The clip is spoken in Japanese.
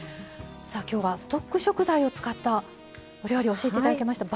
さあ今日はストック食材を使ったお料理を教えて頂きました。